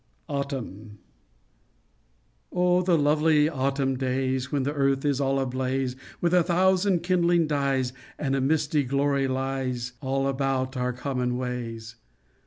AUTUMN Oh, the lovely autumn days, When the earth is all ablaze With a thousand kindling dyes, And a misty glory lies All about our common ways